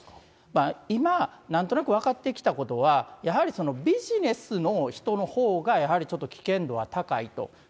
今、なんとなく分かってきたことは、やはりビジネスの人のほうがやっぱりちょっと危険度は高いと。